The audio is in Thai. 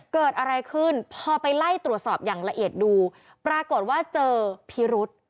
เกิดอะไรขึ้นพอไปไล่ตรวจสอบอย่างละเอียดดูปรากฏว่าเจอพิรุษ